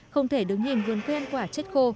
không thể đứng nhìn vườn quen quả chết khô